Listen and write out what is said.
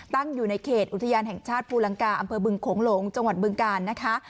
ตั้งอยู่ในเขตอุทยานแห่งชาติภูลังกาอำเภอบึงโขงหลงจังหวัดบึงกาลนะคะ